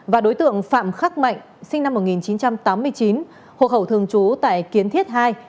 và đối tượng phạm khắc mạnh sinh năm một nghìn chín trăm tám mươi chín hộ khẩu thường trú tại kiến thiết ii